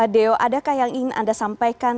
deo adakah yang ingin anda sampaikan